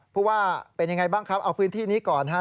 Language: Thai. ผู้ว่าเป็นยังไงบ้างครับเอาพื้นที่นี้ก่อนฮะ